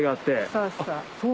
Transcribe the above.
そうそう。